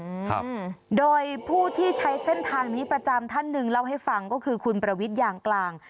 ครับโดยผู้ที่ใช้เส้นทางนี้ประจำท่านหนึ่งเล่าให้ฟังก็คือคุณประวิทยางกลาง